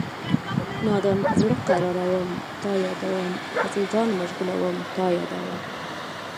نادان زړه قراروم تا یادوم هسې ځان مشغولوم تا یادوم